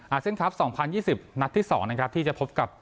อาเซ่นครับ๒๐๒๐นัดที่๒ที่จะพบกับ